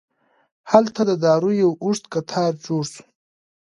هلته د دارو یو اوږد قطار جوړ شو.